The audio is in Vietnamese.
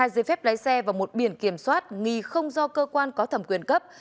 hai dây phép lái xe và một biển kiểm soát nghi không do cơ quan có thẩm quyền cấp